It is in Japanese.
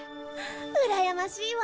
うらやましいわ。